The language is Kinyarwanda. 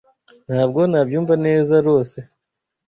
Ntabwo nabyumva neza rose